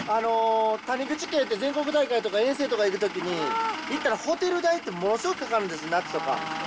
谷口家って、全国大会とか遠征とかに行くときに、いったらホテル代ってものすごくかかるんです、夏とか。